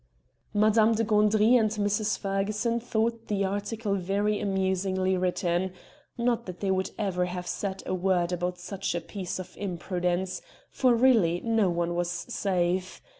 Madame de Gandry and Mrs. Ferguson thought the article very amusingly written not that they would ever have said a word about such a piece of imprudence for really no one was safe!